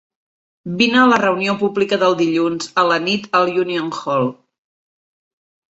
Vine a la reunió pública del dilluns a la nit al Union Hall.